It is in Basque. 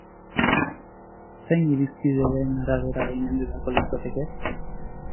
Zein irizpideren arabera baimendu beharko litzateke?